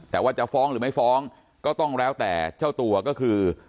แต่ว่าจะฟ้องหรือไม่ฟ้องก็ต้องแล้วแต่เจ้าตัวก็คือ